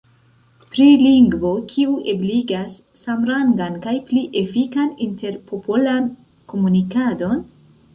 Pri lingvo kiu ebligas samrangan kaj pli efikan interpopolan komunikadon?